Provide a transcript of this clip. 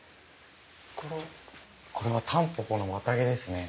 これはタンポポの綿毛ですね。